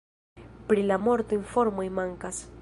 Pri la morto informoj mankas.